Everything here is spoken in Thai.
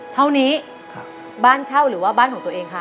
เท่านี้บ้านเช่าหรือว่าบ้านของตัวเองค่ะ